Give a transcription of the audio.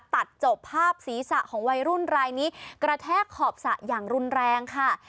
ตัดจบภาพศีรษะของวัยรุ่นรายนี้กระแทกขอบสระอย่างรุนแรงค่ะ